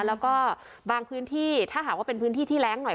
แล้วก็บางพื้นที่ถ้าหากว่าเป็นพื้นที่ที่แรงหน่อย